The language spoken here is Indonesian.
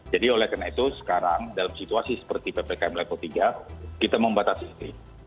jadi oleh karena itu sekarang dalam situasi seperti ppkm lepo iii kita membatasi